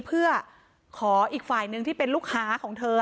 เพื่อขออีกฝ่ายหนึ่งที่เป็นลูกค้าของเธอ